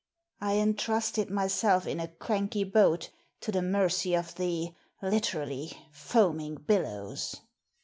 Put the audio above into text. I en trusted myself in a cranky boat to the mercy of the, literally, foaming billows."